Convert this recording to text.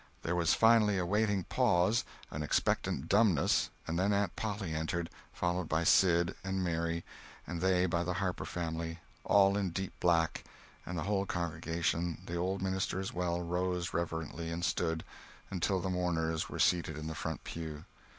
There was finally a waiting pause, an expectant dumbness, and then Aunt Polly entered, followed by Sid and Mary, and they by the Harper family, all in deep black, and the whole congregation, the old minister as well, rose reverently and stood until the mourners were seated in the front pew.